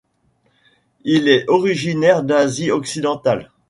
Il est originaire d'Asie occidentale.